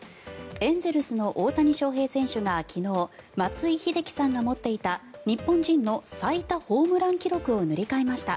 エンゼルスの大谷翔平選手が昨日、松井秀喜さんが持っていた日本人の最多ホームラン記録を塗り替えました。